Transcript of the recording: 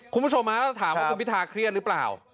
คุณผู้ชมถ้าถามว่าคุณพิทาเครียดหรือเปล่า